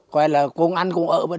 gọi là cùng ăn cùng ở với đồng